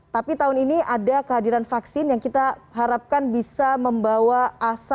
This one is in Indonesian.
tapi tahun ini ada kehadiran vaksin yang kita harapkan bisa membawa asa